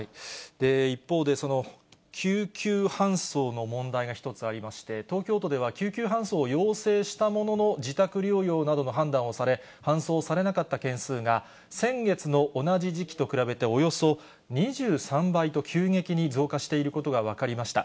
一方で、救急搬送の問題が一つありまして、東京都では、救急搬送を要請したものの、自宅療養などの判断をされ、搬送されなかった件数が先月の同じ時期と比べて、およそ２３倍と急激に増加していることが分かりました。